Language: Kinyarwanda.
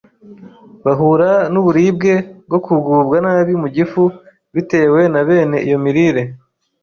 bahura n’uburibwe bwo kugubwa nabi mu gifu bitewe na bene iyo mirire.